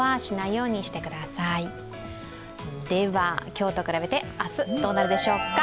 今日と比べて明日、どうなるでしょうか？